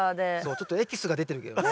ちょっとエキスが出てるけどね。